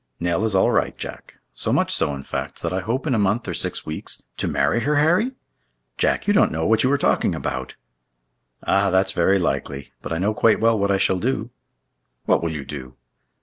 "Nell is all right, Jack—so much so, in fact, that I hope in a month or six weeks—" "To marry her, Harry?" "Jack, you don't know what you are talking about!" "Ah, that's very likely; but I know quite well what I shall do." "What will you do?"